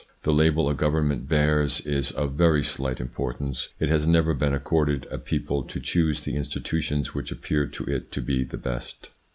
The label a Government bears is of very slight importance. It has never been accorded a people to choose the institutions which appear to it to be the best.